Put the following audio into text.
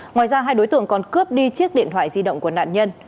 ngoài ra hai đối tượng còn cướp đi chiếc điện thoại di động của nạn nhân